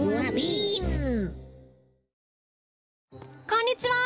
こんにちは！